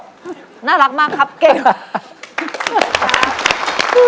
ตัวอย่างน่ารักมากครับเก่ง